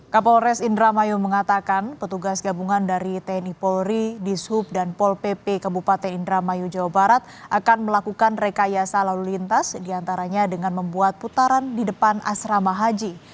kapolres indramayu mengatakan petugas gabungan dari tni polri dishub dan pol pp kabupaten indramayu jawa barat akan melakukan rekayasa lalu lintas diantaranya dengan membuat putaran di depan asrama haji